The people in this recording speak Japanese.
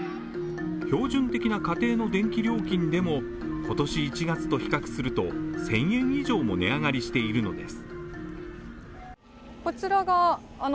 標準的な家庭の電気料金でも今年１月と比較すると１０００円以上も値上がりしているのです。